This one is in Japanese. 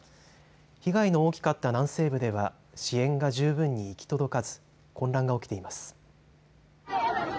被害の大きかった南西部では支援が十分に行き届かず混乱が起きています。